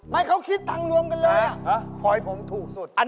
ไม่อันนี้ด้านถูกกว่า